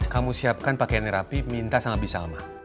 kamu siapkan pakaian yang rapi minta sama bisa alma